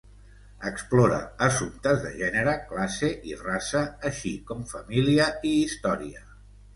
Explora assumptes de gènere, classe i raça així com família i història.